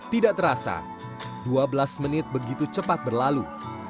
tidak terasa dua belas menit begitu cepat berlalu